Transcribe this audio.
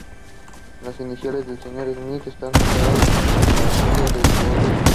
Las iniciales de la señora Smith están soldadas en la quilla del buque.